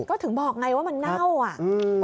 ก็ถึงบอกไงว่ามันเน่าอ่ะอืม